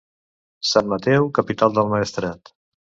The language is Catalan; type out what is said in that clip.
Sant Mateu, capital del Maestrat.